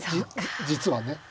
実はね。